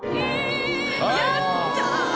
やったー！